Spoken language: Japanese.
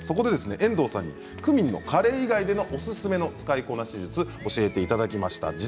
遠藤さんにクミンのカレー以外のおすすめの使い方を教えていただきました。